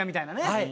はい。